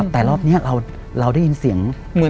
แต่รอบนี้เราได้ยินเสียง